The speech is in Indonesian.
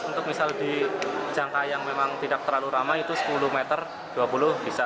untuk misal di jangka yang memang tidak terlalu ramai itu sepuluh meter dua puluh bisa